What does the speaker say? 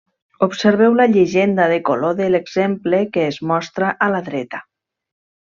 Observeu la llegenda de color de l'exemple que es mostra a la dreta.